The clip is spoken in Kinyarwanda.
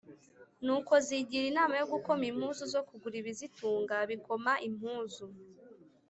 nuko byigira inama yo gukoma impuzu zo kugura ibizitunga, bikoma impuzu;